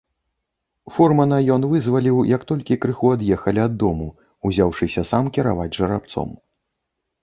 Фурмана ён вызваліў, як толькі крыху ад'ехалі ад дому, узяўшыся сам кіраваць жарабцом.